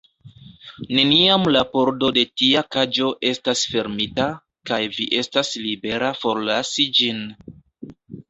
Neniam la pordo de tia kaĝo estas fermita, kaj vi estas libera forlasi ĝin.